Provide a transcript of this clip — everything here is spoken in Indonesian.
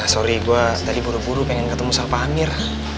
sorry gue tadi buru buru pengen ketemu sama pak amir